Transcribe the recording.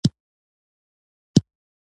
زه د ټک ټاک کاروم.